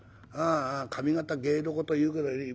ああ上方芸どこというからに。